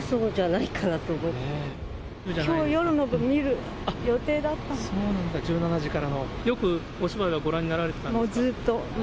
きょう、夜の部、そうなんだ、１７時からの。よくお芝居はご覧になられていたんですか？